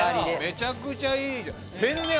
めちゃくちゃいいじゃん。